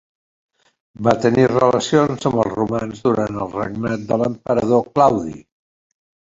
Va tenir relacions amb els romans durant el regnat de l'emperador Claudi.